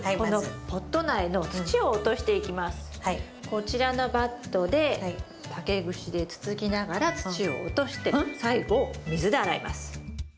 こちらのバットで竹串でつつきながら土を落として最後水で洗います。